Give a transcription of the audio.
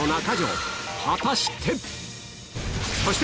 果たして？